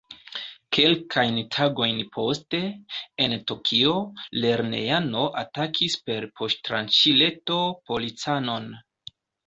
Kelkajn tagojn poste, en Tokio, lernejano atakis per poŝtranĉileto policanon.